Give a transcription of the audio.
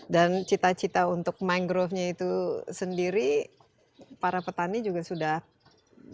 dan cita cita untuk mangrovenya itu sendiri para petani juga sudah semua